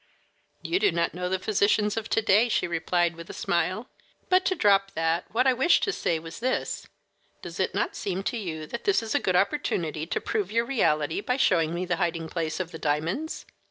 "You do not know the physicians of to day," she replied, with a smile. "But to drop that, what I wished to say was this: does it not seem to you that this is a good opportunity to prove your reality by showing me the hiding place of the diamonds?